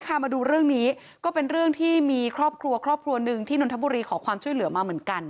มาดูเรื่องนี้ก็เป็นเรื่องที่มีครอบครัวครอบครัวหนึ่งที่นนทบุรีขอความช่วยเหลือมาเหมือนกัน